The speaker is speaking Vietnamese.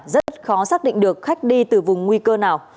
rất khó xác định được khách đi từ vùng nguy cơ nào